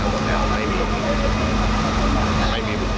เพราะว่าเมืองนี้จะเป็นที่สุดท้าย